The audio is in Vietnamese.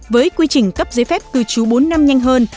với quy trình cấp giấy phép cư trú bốn năm nhanh hơn